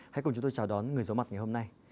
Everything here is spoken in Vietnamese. hãy cùng chúng tôi chào đón người giấu mặt ngày hôm nay